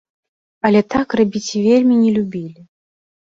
Але так рабіць вельмі не любілі.